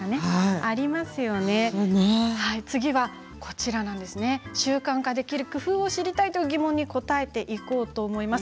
次は習慣化できる工夫を知りたいという疑問に答えていこうと思います。